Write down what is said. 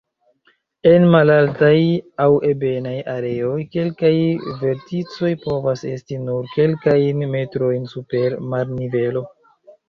En malaltaj aŭ ebenaj areoj kelkaj verticoj povas esti nur kelkajn metrojn super marnivelo.